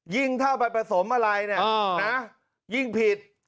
ยิ่งถ้าไปผสมอะไรเนี่ยนะยิ่งผิด